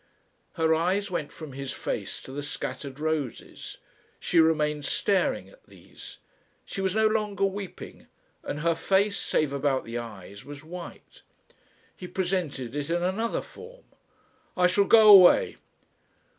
Her eyes went from his face to the scattered roses. She remained staring at these. She was no longer weeping, and her face, save about the eyes, was white. He presented it in another form. "I shall go away."